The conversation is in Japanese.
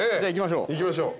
行きましょう。